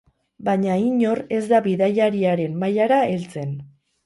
Baina inor ez da bidaiariaren mailara heltzen.